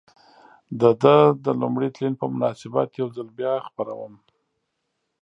د ده د لومړي تلین په مناسبت یو ځل بیا خپروم.